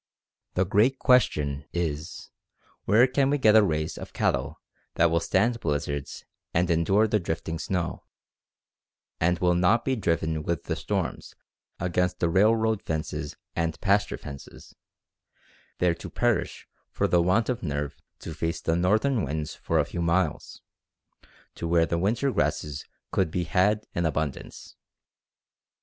The great question is, Where can we get a race of cattle that will stand blizzards, and endure the drifting snow, and will not be driven with the storms against the railroad fences and pasture fences, there to perish for the want of nerve to face the northern winds for a few miles, to where the winter grasses could be had in abundance?